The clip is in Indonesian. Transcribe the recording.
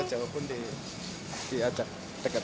kita jawa pun di dekat